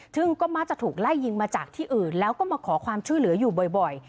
ซึ่งก็มักจะถูกไล่ยิงมาจากที่อื่นแล้วก็มาขอความช่วยเหลืออยู่บ่อย